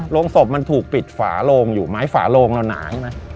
โรงศพมันถูกปิดฝาโลงอยู่ไม้ฝาโลงเราหนา